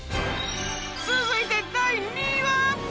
続いて第２位は？